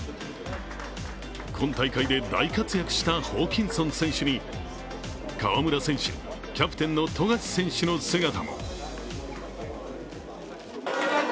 今大会で大活躍したホーキンソン選手に河村選手、キャプテンの富樫選手の姿も。